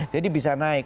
jadi bisa naik